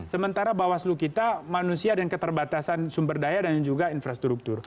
sementara bawaslu kita manusia dan keterbatasan sumber daya dan juga infrastruktur